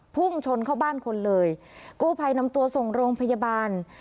พุ่งชนเข้าบ้านคนเลยกู้ภัยนำตัวส่งโรงพยาบาล